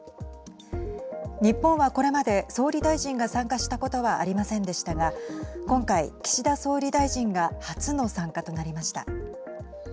日本は、これまで総理大臣が参加したことはありませんでしたが今回、岸田総理大臣が初の参加となりました。